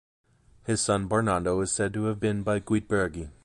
His son Barnardo is said to have been by Guitburgi.